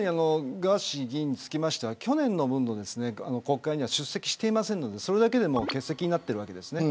ガーシー議員については去年の分の国会には出席していませんからそれだけでも欠席になっているわけです。